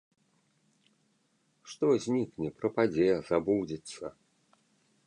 Што знікне, прападзе, забудзецца?